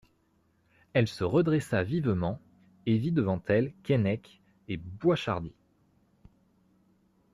Elle se redressa vivement, et vit devant elle Keinec et Boishardy.